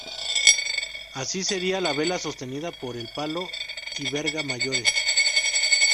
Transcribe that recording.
Así sería la vela sostenida por el palo y verga mayores.